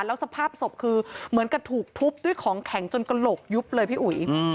แล้วสภาพศพคือเหมือนกับถูกทุบด้วยของแข็งจนกระโหลกยุบเลยพี่อุ๋ย